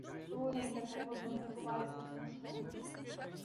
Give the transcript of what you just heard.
قبول نہیں کرتا وہ دونوں کو باعزت سمجھتا ہے